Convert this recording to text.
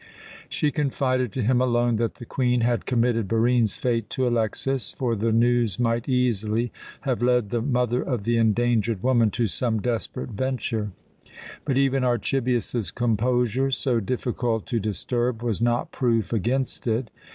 She confided to him alone that the Queen had committed Barine's fate to Alexas, for the news might easily have led the mother of the endangered woman to some desperate venture; but even Archibius's composure, so difficult to disturb, was not proof against it.